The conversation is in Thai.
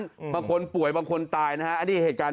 อืมบางคนป่วยบางคนตายนะฮะอันนี้เหตุการณ์